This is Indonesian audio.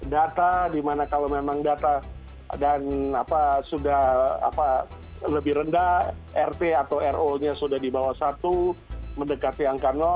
data dimana kalau memang data dan sudah lebih rendah rt atau ro nya sudah di bawah satu mendekati angka